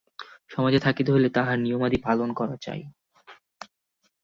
সমাজে থাকিতে হইলে তাহার নিয়মাদি পালন করা চাই।